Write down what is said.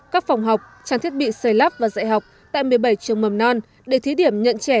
các phòng học trang thiết bị xây lắp và dạy học tại một mươi bảy trường mầm non để thí điểm nhận trẻ